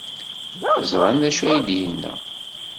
Ẓran d acu ay d-yenna?